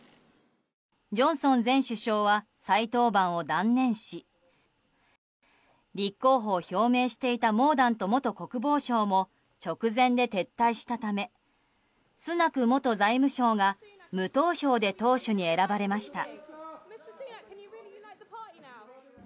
ジョンソン前首相は再登板を断念し立候補を表明していたモーダント元国防相も直前で撤退したためスナク元財務相が無投票で党首に選ばれました。